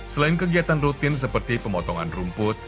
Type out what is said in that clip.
selain kegiatan rutin seperti pemotongan rumput